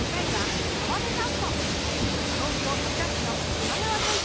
東京羽村市の多摩川沿いです。